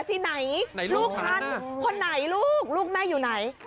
ที่ไหนลูกท่านคนไหนลูกลูกแม่อยู่ไหน